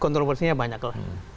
kontroversinya banyak lah